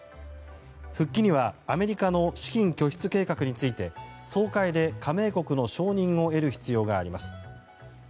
復帰にはアメリカの資金拠出計画について総会で加盟国の承認を得る必要があります。